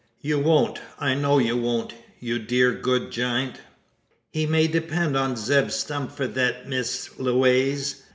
You won't? I know you won't, you dear good giant." "He may depend on Zeb Stump for thet, Miss Lewaze.